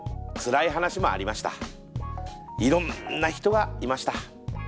いろんな人がいました。